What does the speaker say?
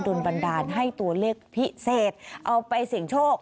บันดาลให้ตัวเลขพิเศษเอาไปเสี่ยงโชค